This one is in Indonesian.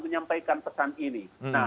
menyampaikan pesan ini